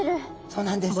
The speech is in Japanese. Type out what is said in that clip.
そうなんです。